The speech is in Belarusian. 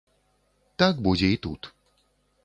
Так будзе і тут.